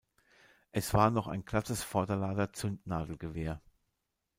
Es war noch ein glattes Vorderlader-Zündnadelgewehr.